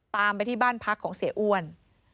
ตามไปที่บ้านพักของเสียอ้วน